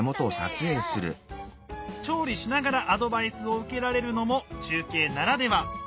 調理しながらアドバイスを受けられるのも中継ならでは。